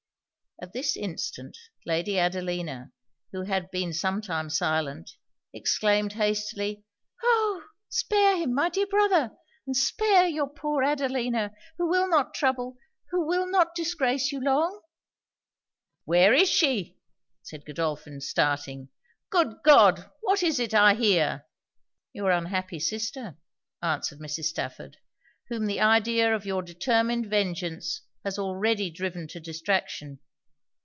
At this instant Lady Adelina, who had been some time silent, exclaimed hastily 'Oh! spare him! my dear brother! and spare your poor Adelina! who will not trouble who will not disgrace you long!' 'Where is she?' said Godolphin, starting 'Good God! what is it I hear?' 'Your unhappy sister,' answered Mrs. Stafford; 'whom the idea of your determined vengeance has already driven to distraction.'